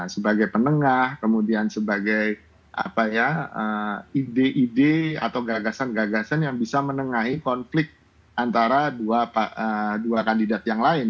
sebagai penengah kemudian sebagai ide ide atau gagasan gagasan yang bisa menengahi konflik antara dua kandidat yang lain